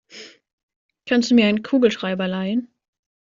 Kannst du mir einen Kugelschreiber leihen?